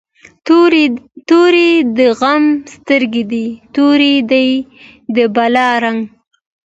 توری د غم سترګی دي، تور دی د بلا رنګ